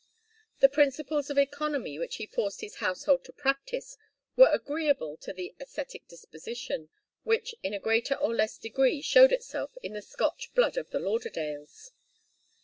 The principles of economy which he forced his household to practise were agreeable to the ascetic disposition which in a greater or less degree showed itself in the Scotch blood of the Lauderdales.